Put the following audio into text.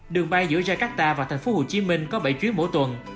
đường bay giữa jakarta và thành phố hồ chí minh có bảy chuyến mỗi tuần